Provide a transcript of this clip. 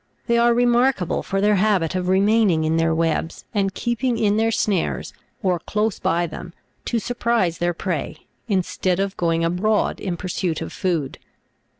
They are remarkable for their habit of remaining in their webs, and keeping in their snares or close by them, to surprise their prey, instead of going abroad in pursuit of food.